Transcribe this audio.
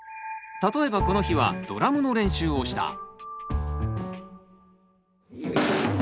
例えばこの日はドラムの練習をした。